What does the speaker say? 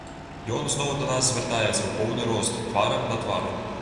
Ён зноў да нас звяртаецца ў поўны рост, тварам да твару.